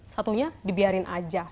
satunya dibiarin aja